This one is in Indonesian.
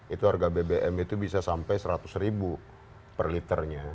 itu harga bbm itu bisa sampai seratus ribu per liternya